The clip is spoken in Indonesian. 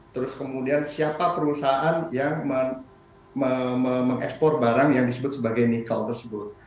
terus kemudian siapa perusahaan yang mengekspor barang yang disebut sebagai nikel tersebut